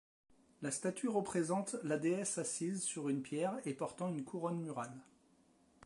La statue représente la déesse assise sur une pierre et portant une couronne murale.